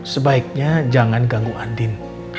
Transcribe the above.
sebaiknya jangan ganggu andin